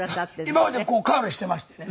今までこうカールしていましてね。